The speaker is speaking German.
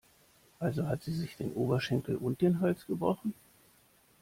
Also hat sie sich den Oberschenkel und den Hals gebrochen?